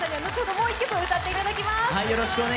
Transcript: もう１曲歌っていただきます。